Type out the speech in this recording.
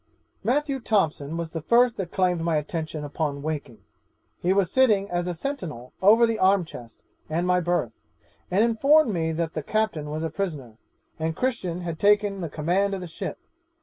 'Matthew Thompson was the first that claimed my attention upon waking: he was sitting as a sentinel over the arm chest and my berth, and informed me that the captain was a prisoner, and Christian had taken the command of the ship.